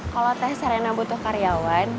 kalau teh sarena butuh karyawan